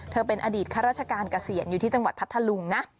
เธอเป็นอดีตคัตรราชการเกษียณอยู่ที่จังหวัดพัทธาลุง